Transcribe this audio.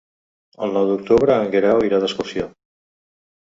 El nou d'octubre en Guerau irà d'excursió.